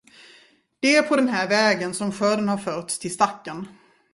Det är på den här vägen, som skörden har förts till stacken.